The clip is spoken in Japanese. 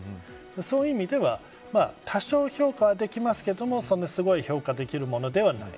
そういう意味では多少、評価はできますけれどもすごい評価できるものではない。